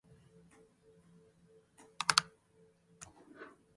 ヴェストマンランド県の県都はヴェステロースである